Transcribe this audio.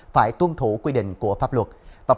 phải tuân thủ quy định của pháp luật